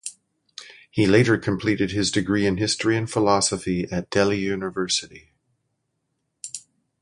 He later completed his degree in History and Philosophy at Delhi University.